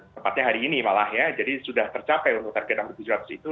tepatnya hari ini malah ya jadi sudah tercapai untuk target yang tujuh ratus itu